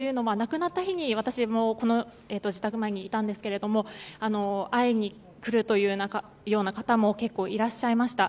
ただ、そうやって慕われていたというのは亡くなった日に私もこの自宅前にいたんですが会いに来るというような方も結構いらっしゃいました。